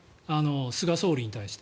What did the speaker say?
菅総理に対して。